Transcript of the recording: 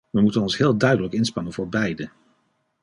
We moeten ons heel duidelijk inspannen voor beide.